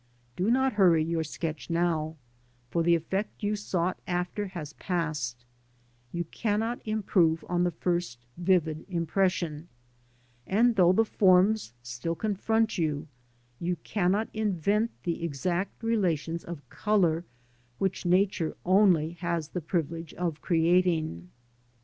Do not hurry your sketch now, for the effect you sought after has passed; you cannot improve on the first vivid impression, and though the forms still confront you, you cannot invent the exact relations of colour which Nature only has the privilege of creating.